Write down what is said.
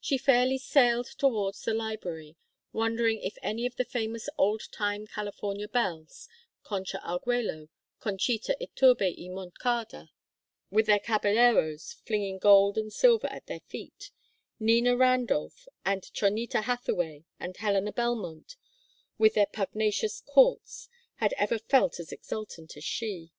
She fairly sailed towards the library, wondering if any of the famous old time California belles, Concha Argüello, Chonita Iturbe y Moncada, with their caballeros flinging gold and silver at their feet, Nina Randolph and Chonita Hathaway and Helena Belmont, with their pugnacious "courts," had ever felt as exultant as she.